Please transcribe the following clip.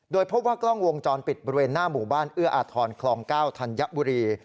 โดยพบว่ากล้องวงจรปิดบริเวณหน้าหมู่บ้านเอื้ออาทรคลอง๙ธัญบุรี